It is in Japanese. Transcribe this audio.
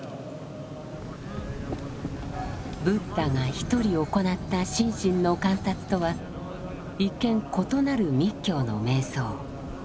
ブッダが一人行った心身の観察とは一見異なる密教の瞑想。